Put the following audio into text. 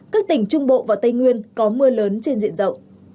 các tỉnh trung bộ và tây nguyên có mưa lớn trên diện rộng